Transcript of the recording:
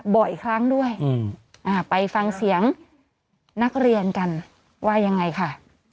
บ่อยครั้งด้วยไปฟังเสียงนักเรียนกันว่ายังไงค่ะ